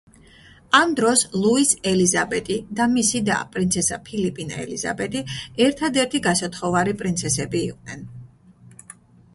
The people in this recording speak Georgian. ამ დროს ლუიზ ელიზაბეტი და მისი და, პრინცესა ფილიპინა ელიზაბეტი ერთად-ერთი გასათხოვარი პრინცესები იყვნენ.